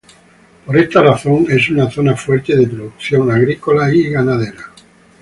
Por esta razón, es una zona fuerte de producción agrícola y ganadera.